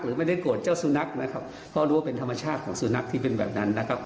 ไม่ได้โกรธเจ้าสุนัขนะครับเพราะรู้ว่าเป็นธรรมชาติของสุนัขที่เป็นแบบนั้นนะครับ